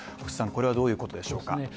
星さんこれはどういうことでしょうか。